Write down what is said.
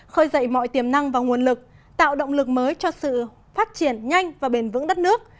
khơi dậy mọi tiềm năng và nguồn lực tạo động lực mới cho sự phát triển nhanh và bền vững đất nước